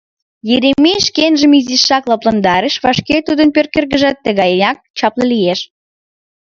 Еремей шкенжым изишак лыпландарыш: вашке тудын пӧрткӧргыжат тыганяк чапле лиеш.